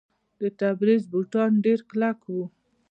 د تبریز بوټان ډیر کلک دي.